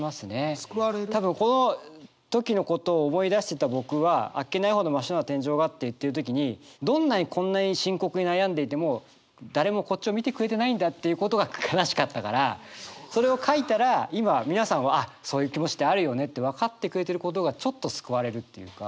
多分この時のことを思い出してた僕は「あっけないほど真っ白な天井が」って言ってる時にどんなにこんなに深刻に悩んでいても誰もこっちを見てくれてないんだっていうことが悲しかったからそれを書いたら今皆さんは「あそういう気持ちってあるよね」って分かってくれてることがちょっと救われるっていうか。